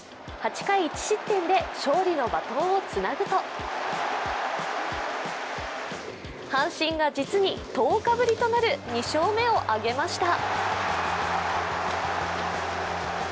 ８回１失点で勝利のバトンをつなぐと阪神が実に１０日ぶりとなる２勝目を挙げました。